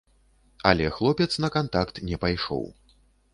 Але хлопец на кантакт не пайшоў.